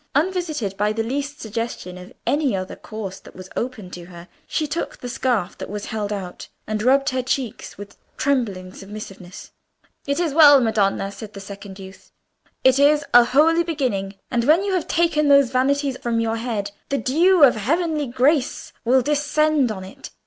Unvisited by the least suggestion of any other course that was open to her, she took the scarf that was held out, and rubbed her cheeks, with trembling submissiveness. "It is well, madonna," said the second youth. "It is a holy beginning. And when you have taken those vanities from your head, the dew of heavenly grace will descend on it."